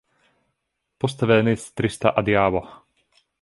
Poste venis trista adiaŭo.